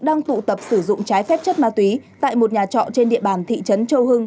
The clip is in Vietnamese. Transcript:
đang tụ tập sử dụng trái phép chất ma túy tại một nhà trọ trên địa bàn thị trấn châu hưng